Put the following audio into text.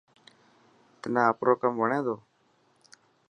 تنا آپرو ڪم وڻي ٿو.